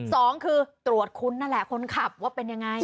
สองคือตรวจคุ้นนั่นแหละคนขับว่าเป็นยังไง